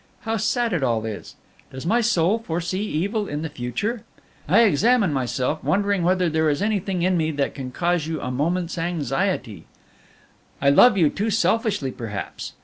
How sad it all is! Does my soul foresee evil in the future? I examine myself, wondering whether there is anything in me that can cause you a moment's anxiety. I love you too selfishly perhaps?